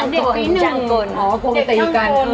เด็กมันสงจัยกว่านิดนึง